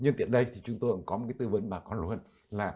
nhân tiện đây chúng tôi có một tư vấn mà